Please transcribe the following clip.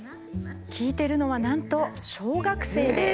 聞いてるのはなんと小学生です。